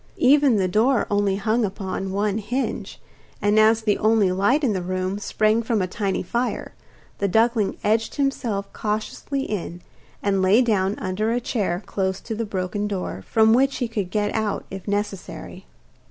Even the door only hung upon one hinge, and as the only light in the room sprang from a tiny fire, the duckling edged himself cautiously in, and lay down under a chair close to the broken door, from which he could get out if necessary.